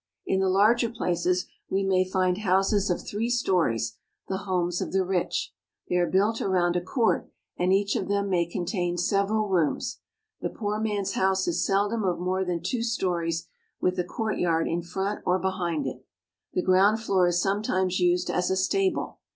In the larger places we may find houses of three stories, the homes of the rich. They are built around a court, and each of them may contain several rooms. The poor man's house is seldom of more than two stories, with a courtyard in front or behind it. The ground floor is sometimes used as a stable.